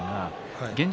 現状